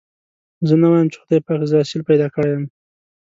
زه نه وايم چې خدای پاک زه اصيل پيدا کړي يم.